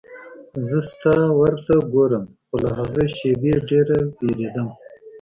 زه ستا ور ته ګورم خو له هغې شېبې ډېره وېرېدم.